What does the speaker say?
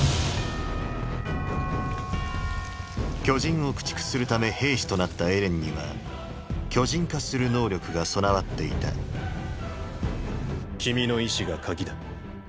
巨人を駆逐するため兵士となったエレンには巨人化する能力が備わっていた君の意志が「鍵」だ。